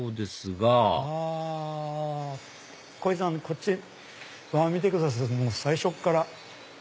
がこひさんこっち見てください最初っから。